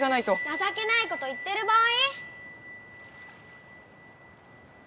・なさけないこと言ってる場合？